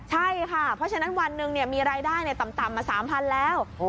ใช่ค่ะเพราะฉะนั้นวันหนึ่งมีรายได้ต่ำมา๓๐๐๐แล้ว